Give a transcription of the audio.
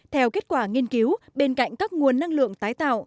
theo kết quả nghiên cứu bên cạnh các nguồn năng lượng tái tạo